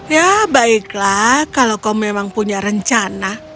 ya baiklah kalau kau memang punya rencana